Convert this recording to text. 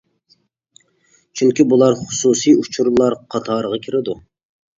چۈنكى بۇلار خۇسۇسى ئۇچۇرلار قاتارىغا كىرىدۇ.